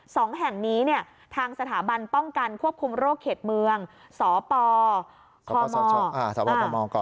สองแห่งนี้เนี่ยทางสถาบันป้องกันควบคุมโรคเขตเมืองสปคศมก